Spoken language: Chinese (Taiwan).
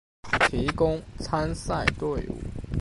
提供參賽隊伍